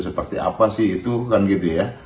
seperti apa sih itu kan gitu ya